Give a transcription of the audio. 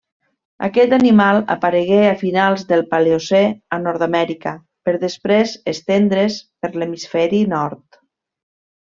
Aquest animal aparegué a finals del Paleocè a Nord-amèrica per després estendre's per l'hemisferi nord.